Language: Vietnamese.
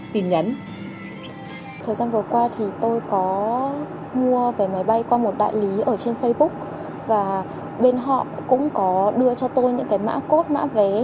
thời gian vừa qua thì tôi có mua về máy bay qua một đại lý ở trên facebook và bên họ cũng có đưa cho tôi những cái mã cốt mã vé